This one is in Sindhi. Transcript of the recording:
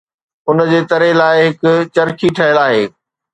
ان جي تري لاءِ هڪ چرخي ٺهيل آهي